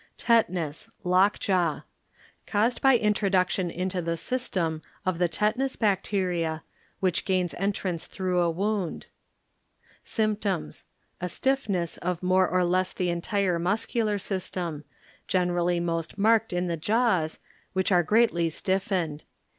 Tetanus (Lock Jaw) .ŌĆöCaused by in troduction into the system of the tetanus bacteria, which gains entrance through a wound. Sjfmptoms. ŌĆö A stiffness of more or less the entire muscular system, gener ally most marked in the jaws, which are greatly stiffened.